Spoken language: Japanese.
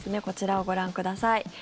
こちらをご覧ください。